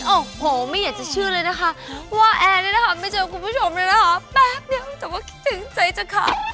โอ้โหไม่อยากจะชื่อเลยนะคะว่าแอร์ไม่เจอกับคุณผู้ชมเลยนะคะแป๊บเนี่ยมันจำว่าคิดถึงใจจ้ะค่ะ